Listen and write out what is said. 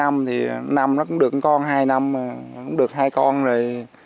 vòng hai năm thì năm nó cũng được con hai năm cũng được hai con rồi